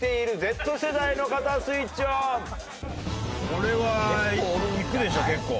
これはいくでしょ結構。